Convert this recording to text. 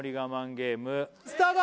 ゲームスタート